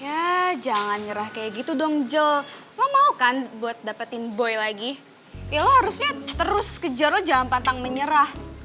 ya jangan nyerah kayak gitu dong jell lo mau kan buat dapetin boy lagi ya lo harusnya terus kejar lo jangan pantang menyerah